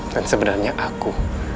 dan sebenarnya aku